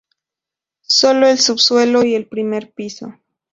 Sólo el subsuelo y el primer piso.